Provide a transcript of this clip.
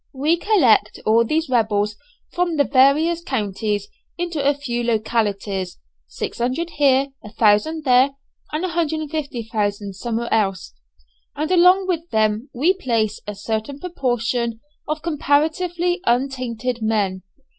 We collect all these rebels from the various counties into a few localities, 600 here, 1000 there, and 1500 somewhere else, and along with them we place a certain proportion of comparatively untainted men.